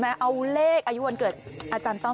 เอาเลขอายุวันเกิดอาจารย์ต้อม